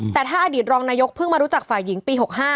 แต่ถ้าอดีตรองนายกเพิ่งมารู้จักฝ่ายหญิงปี๖๕